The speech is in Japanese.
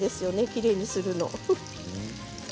きれいにするの。